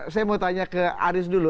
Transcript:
saya mau tanya ke aris dulu